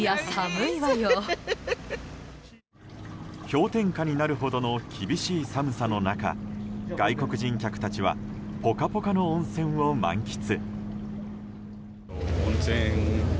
氷点下になるほどの厳しい寒さの中外国人客たちはポカポカの温泉を満喫。